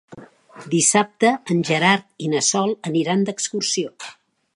Dissabte en Gerard i na Sol aniran d'excursió.